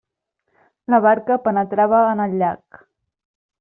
La barca penetrava en el llac.